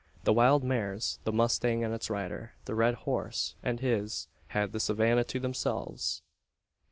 The wild mares the mustang and its rider the red horse, and his had the savanna to themselves!